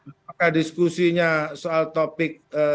apakah diskusinya soal topik